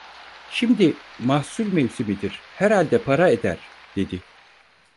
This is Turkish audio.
Şimdi mahsul mevsimidir, herhalde para eder dedi.